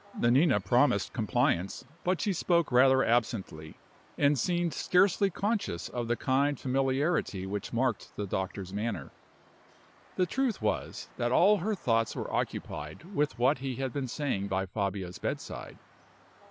Nanina promised compliance; but she spoke rather absently, and seemed scarcely conscious of the kind familiarity which marked the doctor's manner. The truth was, that all her thoughts were occupied with what he had been saying by Fabio's bedside.